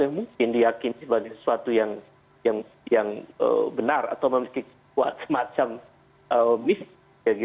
mungkin diakini sebagai sesuatu yang benar atau memiliki semacam misi